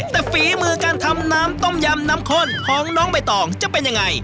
แต่ฝีมือการทำน้ำต้มยำน้ำข้นของน้องใบตองจะเป็นยังไง